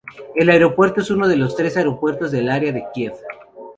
El aeropuerto es uno de los tres aeropuertos del área de Kiev.